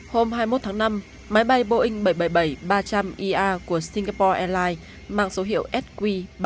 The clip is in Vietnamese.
hôm hai mươi một tháng năm máy bay boeing bảy trăm bảy mươi bảy ba trăm linh ia của singapore airlines mang số hiệu sq ba trăm bảy mươi